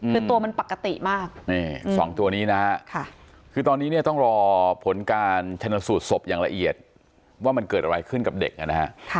คือตัวมันปกติมากนี่๒ตัวนี้นะฮะคือตอนนี้เนี่ยต้องรอผลการชนสูตรศพอย่างละเอียดว่ามันเกิดอะไรขึ้นกับเด็กนะฮะ